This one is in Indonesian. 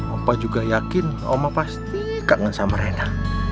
opa juga yakin oma pasti kangen sama rena